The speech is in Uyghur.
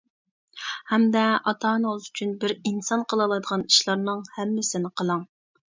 ھەمدە ئاتا-ئانىڭىز ئۈچۈن بىر ئىنسان قىلالايدىغان ئىشلارنىڭ ھەممىسىنى قىلىڭ.